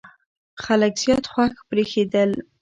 خلک زیات خوښ برېښېدل.